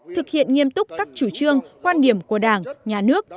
thực hiện nghiêm túc các chủ trương quan điểm của đảng nhà nước